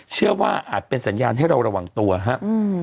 เชื่อว่าอาจเป็นสัญญาณให้เราระวังตัวครับ